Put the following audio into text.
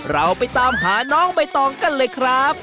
เราไปตามหาน้องใบตองกันเลยครับ